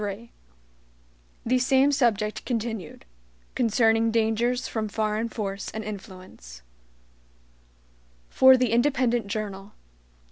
3 The Same Subject Continued (Concerning Dangers From Foreign Force and Influence) For the Independent Journal.